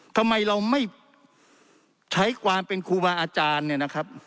ทำไมเราไม่ใช้ความเป็นครูบาอาจารย์เนี่ยนะครับ